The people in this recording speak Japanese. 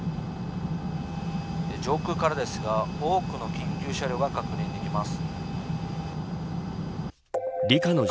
上空からですが多くの緊急車両が確認できます。